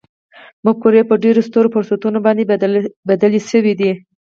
مفکورې په ډېرو سترو فرصتونو باندې بدلې شوې دي